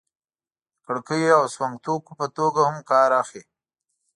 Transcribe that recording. د کړکیو او سونګ توکو په توګه هم کار اخلي.